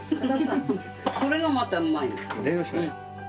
それがまたうまいんだ。